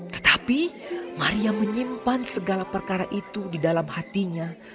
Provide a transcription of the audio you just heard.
tetapi maria menyimpan segala perkara itu di dalam hatinya